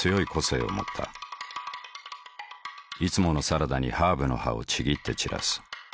いつものサラダにハーブの葉をちぎって散らす。